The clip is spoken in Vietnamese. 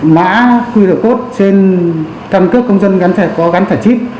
mã qr code trên căn cước công dân có gắn thẻ chip